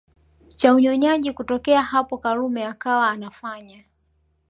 cha unyonyaji Kutokea hapo Karume akawa anafanya